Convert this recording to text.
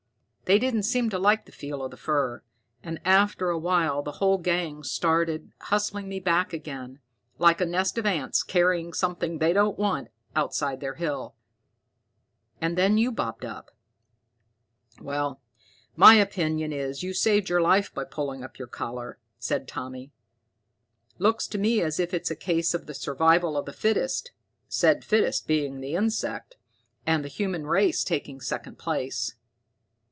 They didn't seem to like the feel of the fur, and after a while the whole gang started hustling me back again, like a nest of ants carrying something they don't want outside their hill. And then you bobbed up." "Well, my opinion is you saved your life by pulling up your collar," said Tommy. "Looks to me as if it's a case of the survival of the fittest, said fittest being the insect, and the human race taking second place.